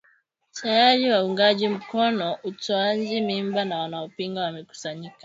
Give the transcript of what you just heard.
Tayari waungaji mkono utoaji mimba na wanaopinga wamekusanyika